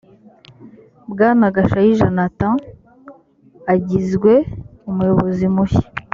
bwana gashayija nathan agizwe umuyobozi mushya